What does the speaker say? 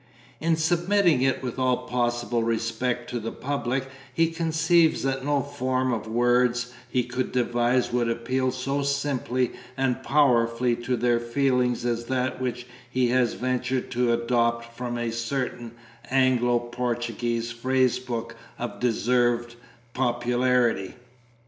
In submitting it with all possible respect to the Public, he conceives that no form of words he could devise would appeal so simply and powerfully to their feelings as that which he has ventured to adopt from a certain Anglo Portuguese Phrase Book of deserved popularity.